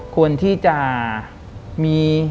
ควรที่จะมี